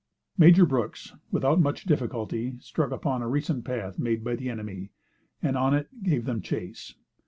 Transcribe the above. Major Brooks, without much difficulty, struck upon a recent path made by the enemy, and on it, gave them chase.